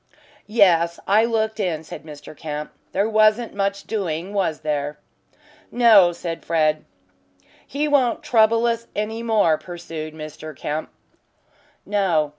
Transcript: "Yes, I looked in," said Mr. Kemp. "There wasn't much doing, was there?" "No," said Fred. "He won't trouble us any more," pursued Mr. Kemp. "No."